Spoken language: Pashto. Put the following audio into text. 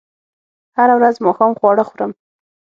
هره ورځ ماښام خواړه خورم